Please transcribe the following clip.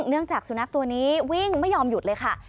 จากสุนัขตัวนี้วิ่งไม่ยอมหยุดเลยค่ะ